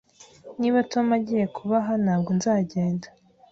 Niba Tom agiye kuhaba, ntabwo nzagenda.